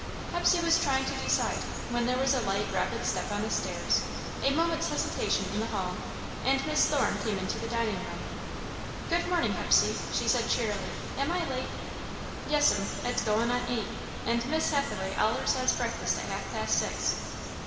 Hepsey was trying to decide, when there was a light, rapid step on the stairs, a moment's hesitation in the hall, and Miss Thorne came into the dining room. "Good morning, Hepsey," she said, cheerily; "am I late?" "Yes'm. It's goin' on eight, and Miss Hathaway allers has breakfast at half past six."